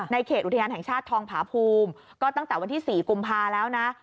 เขตอุทยานแห่งชาติทองผาภูมิก็ตั้งแต่วันที่๔กุมภาแล้วนะ